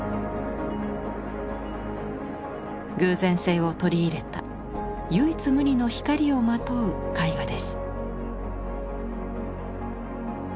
偶然性を取り入れた唯一無二の「光」をまとう絵画です。